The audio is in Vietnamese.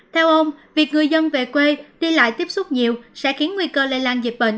theo ông việc người dân về quê đi lại tiếp xúc nhiều sẽ khiến nguy cơ lây lan dịch bệnh